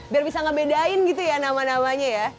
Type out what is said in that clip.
biar bisa ngebedain gitu ya nama namanya ya